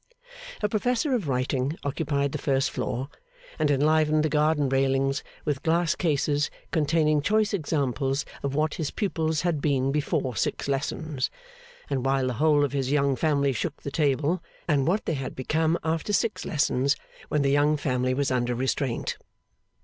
A professor of writing occupied the first floor, and enlivened the garden railings with glass cases containing choice examples of what his pupils had been before six lessons and while the whole of his young family shook the table, and what they had become after six lessons when the young family was under restraint.